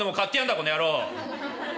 この野郎」。